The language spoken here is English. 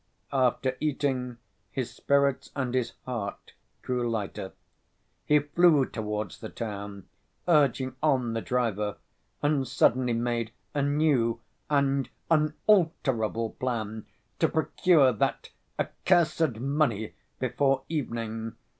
After eating, his spirits and his heart grew lighter. He flew towards the town, urged on the driver, and suddenly made a new and "unalterable" plan to procure that "accursed money" before evening.